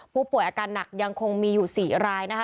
ผู้ป่วยอาการหนักยังคงมีอยู่๔รายนะคะ